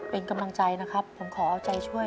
เป็นกำลังใจนะครับผมขอเอาใจช่วย